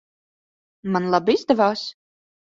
Man labi izdevās?